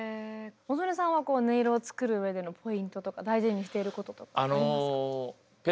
小曽根さんは音色を作る上でのポイントとか大事にしていることとかありますか？